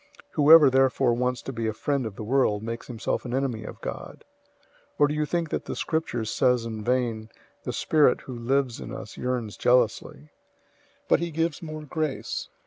Whoever therefore wants to be a friend of the world makes himself an enemy of God. 004:005 Or do you think that the Scripture says in vain, "The Spirit who lives in us yearns jealously"? 004:006 But he gives more grace.